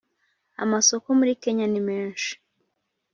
Amasoko muri Kenya ni menshi